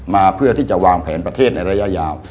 มาเพื่อที่จะวางแผนประเทศในระยะยาว